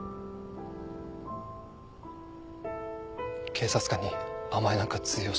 警察官に甘えなんか通用しないと。